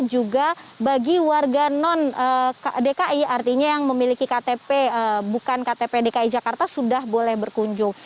juga bagi warga non dki artinya yang memiliki ktp bukan ktp dki jakarta sudah boleh berkunjung